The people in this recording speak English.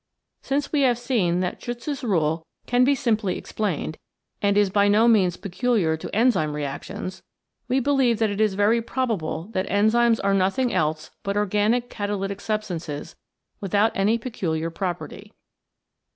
Since we have seen that Schutz' Rule can be simply explained, and is by no means peculiar to enzyme reactions, we believe that it is very probable that enzymes are nothing else but organic catalytic substances without any peculiar property.